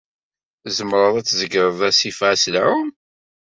Tzemreḍ ad tzegreḍ asif-a s lɛum?